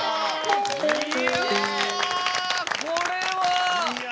いやこれは。